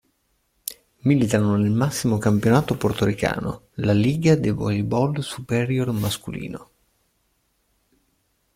Militano nel massimo campionato portoricano, la Liga de Voleibol Superior Masculino.